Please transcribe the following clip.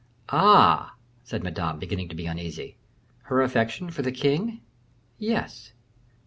"Ah!" said Madame, beginning to be uneasy, "her affection for the king?" "Yes."